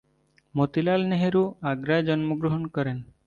মতিলাল নেহেরু আগ্রায় জন্মগ্রহণ করেন।